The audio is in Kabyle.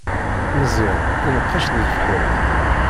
Meẓyan ineqqec di tebḥirt.